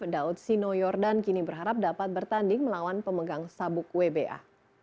daud sino yordan kini berharap dapat bertanding melawan pemegang sabuk wba